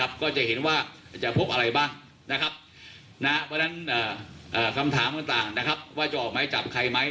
ก็จะเห็นว่าจะพบอะไรบ้างนะครับเพราะฉะนั้นคำถามต่างนะครับว่าจะออกไม้จับใครไหม